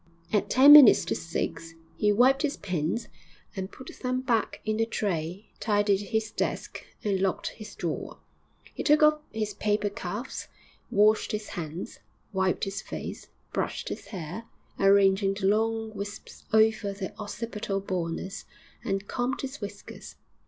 At ten minutes to six he wiped his pens and put them back in the tray, tidied his desk and locked his drawer. He took off his paper cuffs, washed his hands, wiped his face, brushed his hair, arranging the long whisps over the occipital baldness, and combed his whiskers.